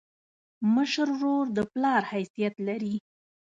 مشر ورور د پلار حیثیت لري.